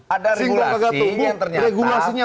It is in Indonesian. ada regulasi yang ternyata